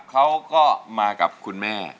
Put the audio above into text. เขาก็มากับคุณแม่